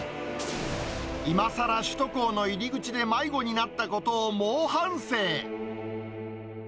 いまさら首都高の入り口で迷子になったことを猛反省。